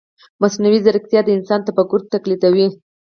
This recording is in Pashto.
مصنوعي ځیرکتیا د انسان تفکر تقلیدوي.